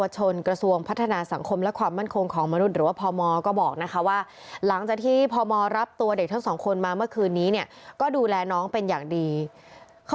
จะเอาอะไรก็เอา